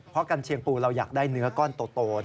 เพราะกัญเชียงปูเราอยากได้เนื้อก้อนโต